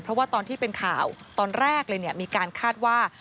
เพราะว่าตอนที่เป็นข่าวตอนแรกเลยมีการคาดว่า